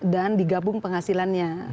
dan digabung penghasilannya